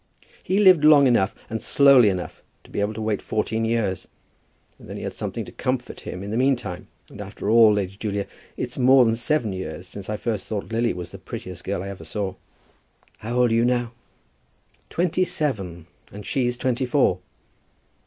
"He lived long enough, and slowly enough, to be able to wait fourteen years; and then he had something to comfort him in the meantime. And after all, Lady Julia, it's more than seven years since I first thought Lily was the prettiest girl I ever saw." "How old are you now?" "Twenty seven, and she's twenty four."